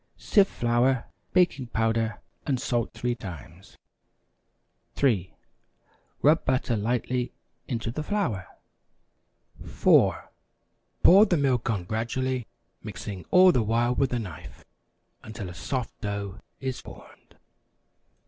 Sift flour, baking powder and salt three times. 3. Rub butter lightly into the flour. 4. Pour the milk on gradually, mixing all the while with a knife, until a soft dough is formed.